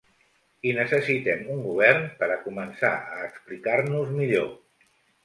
I necessitem un govern per a començar a explicar-nos millor.